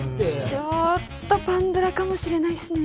ちょっとパンドラかもしれないっすね。